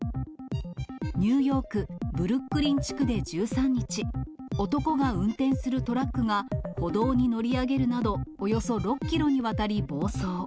ニューヨーク・ブルックリン地区で１３日、男が運転するトラックが歩道に乗り上げるなど、およそ６キロにわたり暴走。